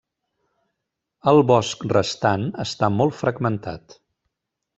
El bosc restant està molt fragmentat.